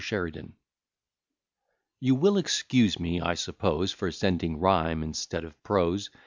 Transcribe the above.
SHERIDAN You will excuse me, I suppose, For sending rhyme instead of prose.